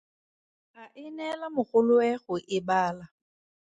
A e neela mogoloe go e bala.